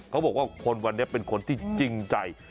เขาบอกว่าคนวันนี้เป็นคนที่จริงใจ